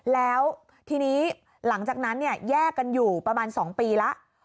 แล้วทีนี้หลังจากนั้นเนี่ยแยกกันอยู่ประมาณ๒ปีแล้ว